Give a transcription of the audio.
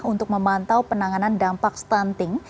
untuk memantau penanganan dampak stunting